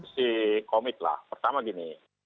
si komit lah pertama gini